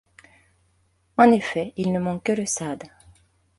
En effet il ne manque que le sade.